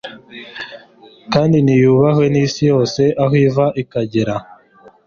kandi niyubahwe n’isi yose aho iva ikagera